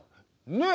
ねえ！